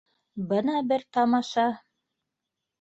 Бына бер тамаша!